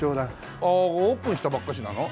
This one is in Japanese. ああオープンしたばっかしなの？